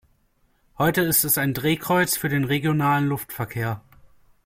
Heute ist es ein Drehkreuz für den regionalen Luftverkehr.